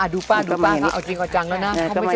ดูบ้างกลับจริงกันกว่าจังแล้วนะ